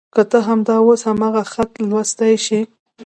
که ته همدا اوس همدغه خط لوستلی شې.